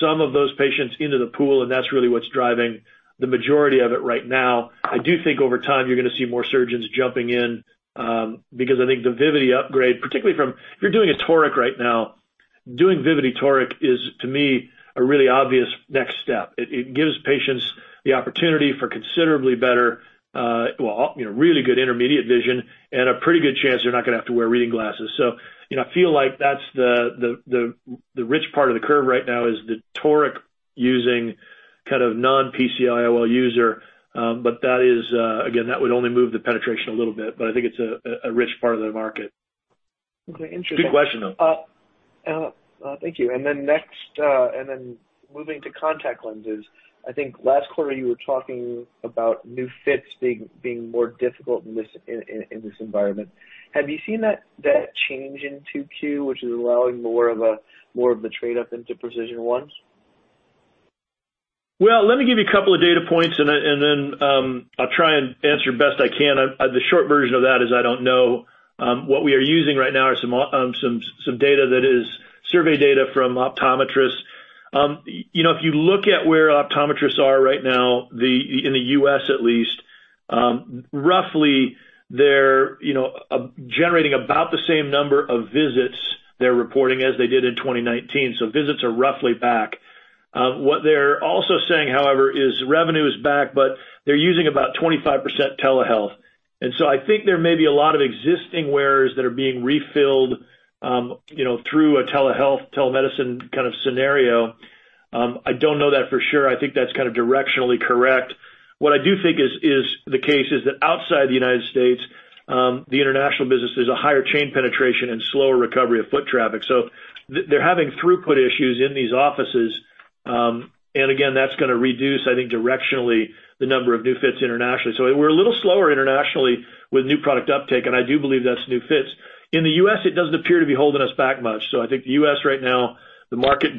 some of those patients into the pool, and that's really what's driving the majority of it right now. I do think over time you're going to see more surgeons jumping in because I think the Vivity upgrade, particularly from if you're doing a toric right now, doing Vivity toric is, to me, a really obvious next step. It gives patients the opportunity for considerably better, really good intermediate vision and a pretty good chance they're not going to have to wear reading glasses. I feel like that's the rich part of the curve right now is the toric using kind of non-PC-IOL user. Again, that would only move the penetration a little bit, but I think it's a rich part of the market. Okay, interesting. Good question, though. Thank you. Moving to contact lenses, I think last quarter you were talking about new fits being more difficult in this environment. Have you seen that change in 2Q, which is allowing more of the trade-up into PRECISION1s? Let me give you a couple of data points, and then I'll try and answer best I can. The short version of that is I don't know. What we are using right now are some data that is survey data from optometrists. If you look at where optometrists are right now, in the U.S. at least, roughly they're generating about the same number of visits they're reporting as they did in 2019. Visits are roughly back. What they're also saying, however, is revenue is back, but they're using about 25% telehealth. I think there may be a lot of existing wearers that are being refilled through a telehealth, telemedicine kind of scenario. I don't know that for sure. I think that's kind of directionally correct. What I do think is the case is that outside the United States, the international business, there's a higher chain penetration and slower recovery of foot traffic. They're having throughput issues in these offices. Again, that's going to reduce, I think, directionally the number of new fits internationally. We're a little slower internationally with new product uptake, and I do believe that's new fits. In the U.S., it doesn't appear to be holding us back much. I think the U.S. right now, the market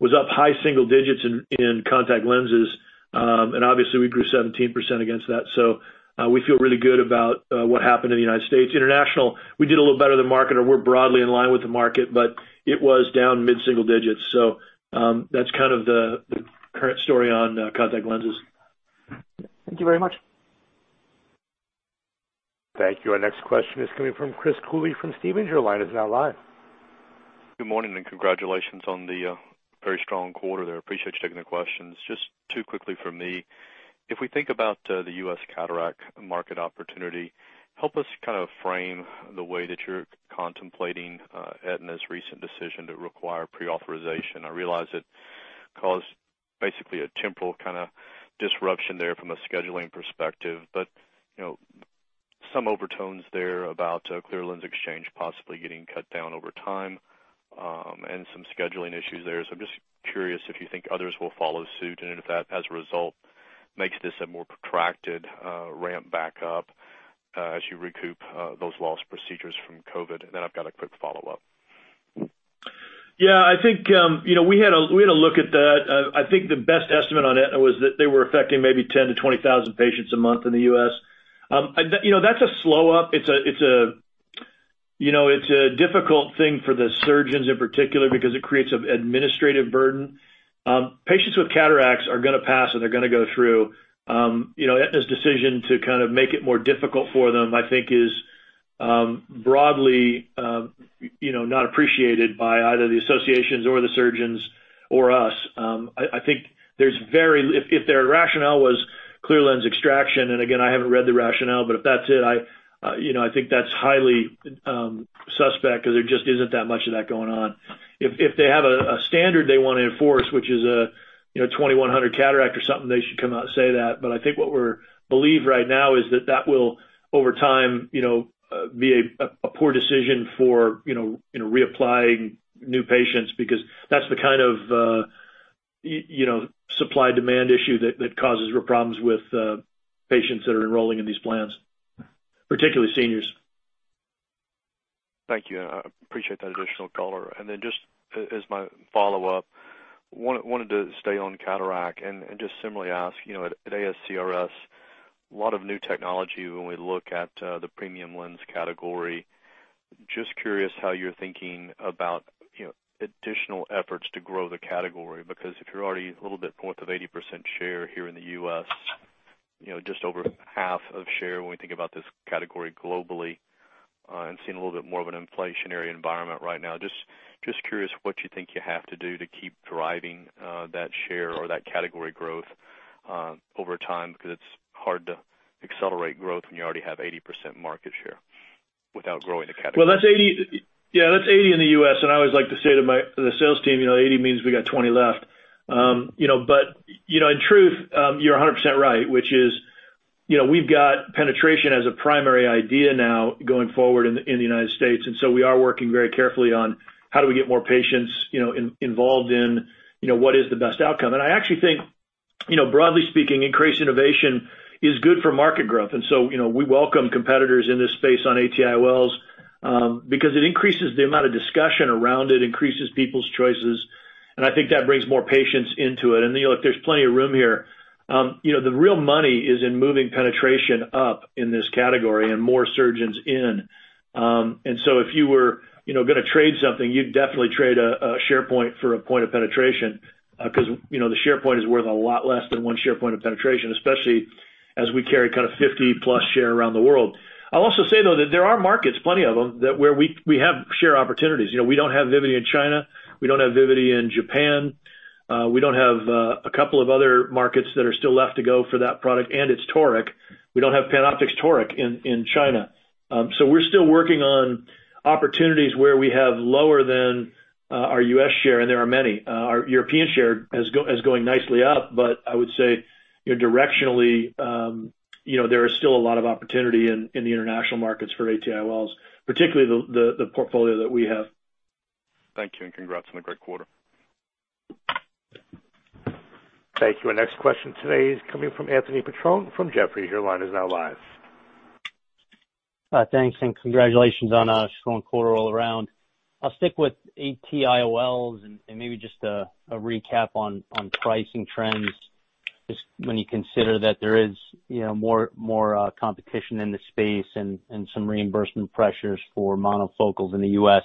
was up high single digits in contact lenses. Obviously we grew 17% against that. We feel really good about what happened in the U.S. International, we did a little better than market or we're broadly in line with the market, but it was down mid-single digits. That's kind of the current story on contact lenses. Thank you very much. Thank you. Our next question is coming from Chris Cooley from Stephens. Your line is now live. Good morning and congratulations on the very strong quarter there. Appreciate you taking the questions. Just two quickly from me. If we think about the U.S. cataract market opportunity, help us kind of frame the way that you're contemplating Aetna's recent decision to require pre-authorization. I realize it caused basically a temporal kind of disruption there from a scheduling perspective, but some overtones there about clear lens exchange possibly getting cut down over time, and some scheduling issues there. I'm just curious if you think others will follow suit, and if that, as a result, makes this a more protracted ramp back up as you recoup those lost procedures from COVID. I've got a quick follow-up. Yeah, I think we had a look at that. I think the best estimate on it was that they were affecting maybe 10,000 to 20,000 patients a month in the U.S. That's a slow-up. It's a difficult thing for the surgeons in particular because it creates administrative burden. Patients with cataracts are going to pass, and they're going to go through. Aetna's decision to kind of make it more difficult for them, I think is broadly not appreciated by either the associations or the surgeons or us. If their rationale was clear lens extraction, and again, I haven't read the rationale, if that's it, I think that's highly suspect because there just isn't that much of that going on. If they have a standard they want to enforce, which is a 2,100 cataract or something, they should come out and say that. I think what we believe right now is that that will, over time, be a poor decision for reapplying new patients because that's the kind of supply-demand issue that causes real problems with patients that are enrolling in these plans, particularly seniors. Thank you. I appreciate that additional color. Just as my follow-up, wanted to stay on cataract and just similarly ask, at ASCRS, a lot of new technology when we look at the premium lens category. Just curious how you're thinking about additional efforts to grow the category, because if you're already a little bit north of 80% share here in the U.S., just over half of share when we think about this category globally, and seeing a little bit more of an inflationary environment right now. Just curious what you think you have to do to keep driving that share or that category growth over time, because it's hard to accelerate growth when you already have 80% market share without growing the category. Yeah, that's 80% in the U.S. I always like to say to the sales team, 80% means we got 20% left. In truth, you're 100% right, which is we've got penetration as a primary idea now going forward in the United States. We are working very carefully on how do we get more patients involved in what is the best outcome. I actually think, broadly speaking, increased innovation is good for market growth. We welcome competitors in this space on ATIOLs, because it increases the amount of discussion around it, increases people's choices. I think that brings more patients into it. Look, there's plenty of room here. The real money is in moving penetration up in this category and more surgeons in. If you were going to trade something, you'd definitely trade a share point for a point of penetration, because the share point is worth a lot less than 1 share point of penetration, especially as we carry kind of 50+ share around the world. I'll also say, though, that there are markets, plenty of them, where we have share opportunities. We don't have Vivity in China. We don't have Vivity in Japan. We don't have a couple of other markets that are still left to go for that product and its toric. We don't have PanOptix toric in China. We're still working on opportunities where we have lower than our U.S. share, and there are many. Our European share is going nicely up, but I would say directionally, there is still a lot of opportunity in the international markets for ATIOLs, particularly the portfolio that we have. Thank you, and congrats on a great quarter. Thank you. Our next question today is coming from Anthony Petrone from Jefferies. Your line is now live. Thanks. Congratulations on a strong quarter all around. I'll stick with ATIOLs and maybe just a recap on pricing trends, just when you consider that there is more competition in the space and some reimbursement pressures for monofocals in the U.S.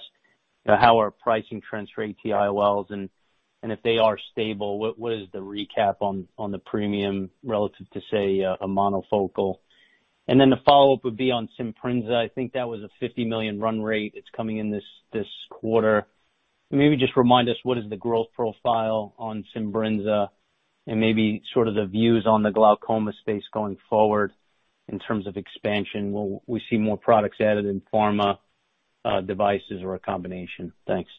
How are pricing trends for ATIOLs, and if they are stable, what is the recap on the premium relative to, say, a monofocal? The follow-up would be on Simbrinza. I think that was a $50 million run rate that's coming in this quarter. Maybe just remind us what is the growth profile on Simbrinza and maybe sort of the views on the glaucoma space going forward in terms of expansion. Will we see more products added in pharma devices or a combination? Thanks.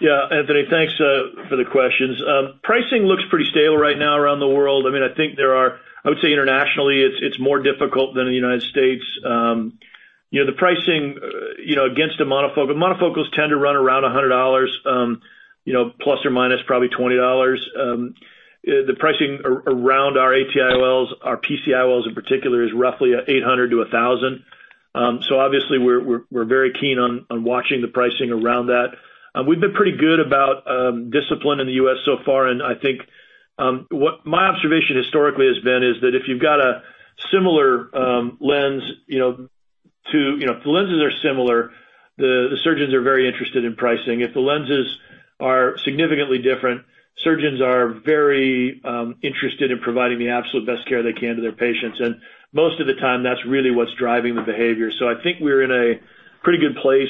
Yeah, Anthony, thanks for the questions. Pricing looks pretty stable right now around the world. I would say internationally, it's more difficult than the U.S. The pricing against monofocals tend to run around $100± probably $20. The pricing around our ATIOLs, our PC-IOLs in particular, is roughly $800-$1,000. Obviously we're very keen on watching the pricing around that. We've been pretty good about discipline in the U.S. so far, and I think what my observation historically has been is that if you've got a similar lens, if the lenses are similar, the surgeons are very interested in pricing. If the lenses are significantly different, surgeons are very interested in providing the absolute best care they can to their patients. Most of the time, that's really what's driving the behavior. I think we're in a pretty good place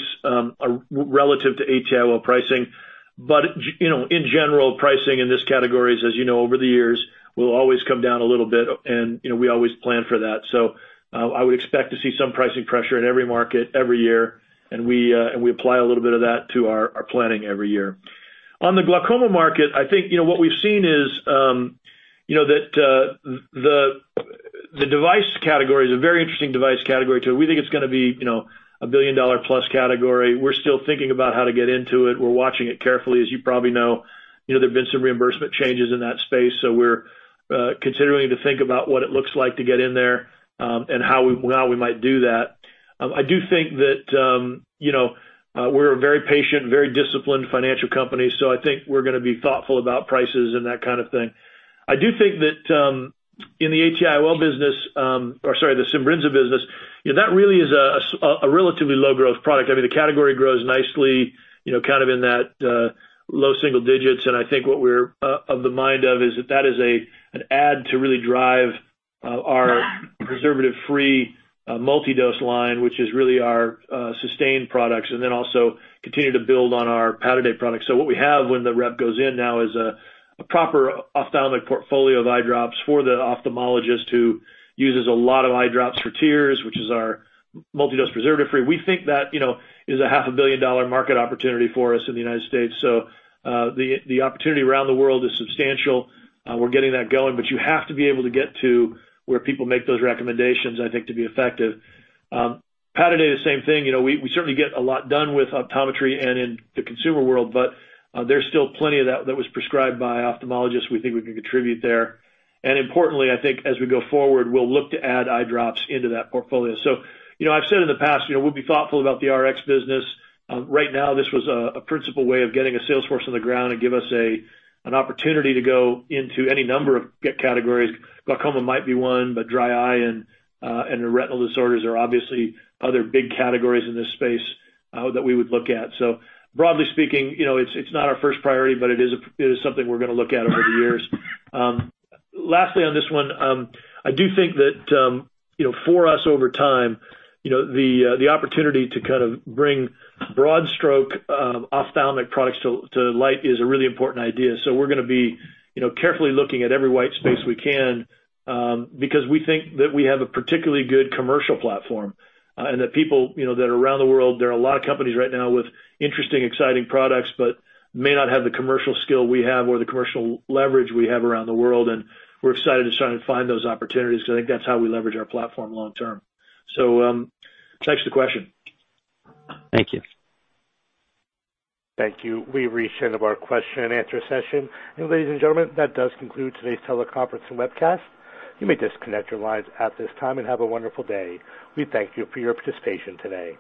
relative to ATIOL pricing. In general, pricing in this category, as you know, over the years, will always come down a little bit, and we always plan for that. I would expect to see some pricing pressure in every market, every year, and we apply a little bit of that to our planning every year. On the glaucoma market, I think, what we've seen is that the device category is a very interesting device category too. We think it's going to be $1+ billion category. We're still thinking about how to get into it. We're watching it carefully. As you probably know, there have been some reimbursement changes in that space. We're continuing to think about what it looks like to get in there, and how we might do that. I do think that we're a very patient, very disciplined financial company, so I think we're going to be thoughtful about prices and that kind of thing. I do think that in the ATIOL business, or sorry, the Simbrinza business, that really is a relatively low-growth product. I mean, the category grows nicely, kind of in that low single digits, and I think what we're of the mind of is that that is an add to really drive our Preservative-Free Multi-Dose line, which is really our SYSTANE products, and then also continue to build on our Pataday products. What we have when the rep goes in now is a proper ophthalmic portfolio of eye drops for the ophthalmologist who uses a lot of eye drops for tears, which is our Multi-Dose Preservative-Free. We think that is a half a billion dollar market opportunity for us in the U.S. The opportunity around the world is substantial. We're getting that going. You have to be able to get to where people make those recommendations, I think, to be effective. Pataday the same thing. We certainly get a lot done with optometry and in the consumer world, but there's still plenty of that that was prescribed by ophthalmologists we think we can contribute there. Importantly, I think as we go forward, we'll look to add eye drops into that portfolio. I've said in the past, we'll be thoughtful about the Rx business. Right now, this was a principal way of getting a sales force on the ground and give us an opportunity to go into any number of get categories. Glaucoma might be one, but dry eye and retinal disorders are obviously other big categories in this space that we would look at. Broadly speaking, it's not our first priority, but it is something we're going to look at over the years. Lastly, on this one, I do think that for us over time, the opportunity to kind of bring broad stroke ophthalmic products to light is a really important idea. We're going to be carefully looking at every white space we can, because we think that we have a particularly good commercial platform, and that people that are around the world, there are a lot of companies right now with interesting, exciting products, but may not have the commercial skill we have or the commercial leverage we have around the world, and we're excited to try and find those opportunities because I think that's how we leverage our platform long term. Thanks for the question. Thank you. Thank you. We've reached the end of our question-and-answer session. Ladies and gentlemen, that does conclude today's teleconference and webcast. You may disconnect your lines at this time and have a wonderful day. We thank you for your participation today.